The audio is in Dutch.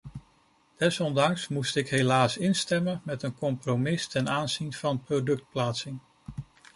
Desondanks moest ik helaas instemmen met een compromis ten aanzien van productplaatsing.